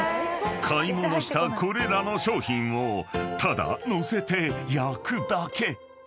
［買い物したこれらの商品をただ載せて焼くだけ］